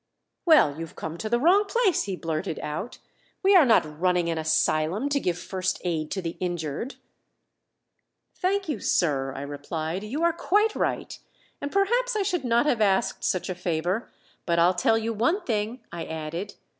"Well, you've come to the wrong place," he blurted out. "We are not running an asylum to give first aid to the injured!" "Thank you, sir," I replied. "You are quite right, and perhaps I should not have asked such a favor but I'll tell you one thing," I added.